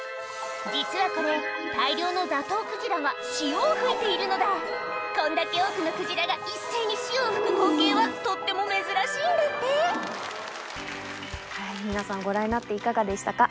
実はこれ大量のザトウクジラが潮を吹いているのだこんだけ多くのクジラが一斉に潮を吹く光景はとっても珍しいんだって皆さんご覧になっていかがでしたか？